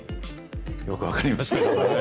よく分かりました。